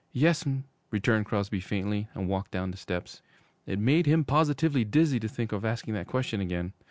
'Yes'm,' returned Crosby faintly, and walked down the steps. It made him positively dizzy to think of asking that question again.